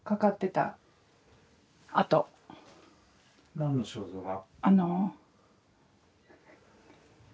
何の肖像画？